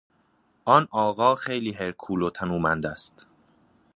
آن آقا خیلی هرکول و تنومند است.